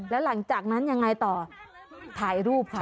แล้วหลังจากนั้นยังไงต่อถ่ายรูปค่ะ